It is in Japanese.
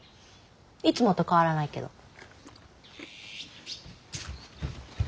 いつもと変わらないけど。